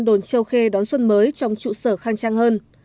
đồn châu khê đón xuân mới trong trụ sở khang trang hơn